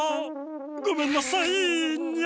ごめんなさいニャ！